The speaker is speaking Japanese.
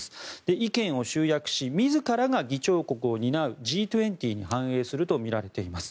意見を集約し自らが議長国を担うＧ２０に反映するとみられます。